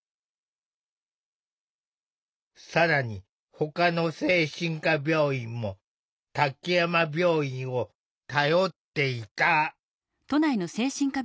更にほかの精神科病院も滝山病院を頼っていた。